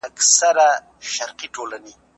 مسواک وهل یو تکراري عمل دی.